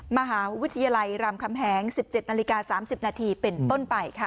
มหาวิทยาลัยรามคำแหงสิบเจ็ดนาฬิกาสามสิบนาทีเป็นต้นไปค่ะ